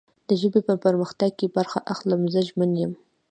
د ژبې په پرمختګ کې برخه اخلم. زه ژمن یم